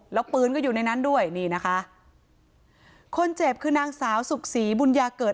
แล้วปืนก็อยู่ในนั้นด้วยนี่นะคะคนเจ็บคือนางสาวสุขศรีบุญญาเกิด